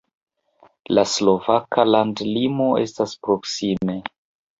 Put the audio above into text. La slovaka landlimo estas proksime.